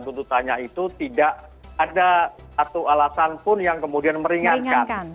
tuntutannya itu tidak ada satu alasan pun yang kemudian meringankan